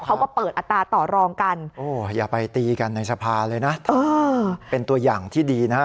เขาก็เปิดอัตราต่อรองกันโอ้อย่าไปตีกันในสภาเลยนะเป็นตัวอย่างที่ดีนะฮะ